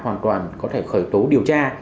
hoàn toàn có thể khởi tố điều tra